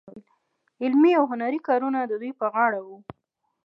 علمي او هنري کارونه د دوی په غاړه وو.